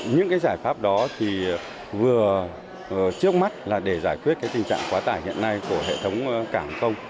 những giải pháp đó vừa trước mắt để giải quyết tình trạng quá tải hiện nay của hệ thống cảng hàng không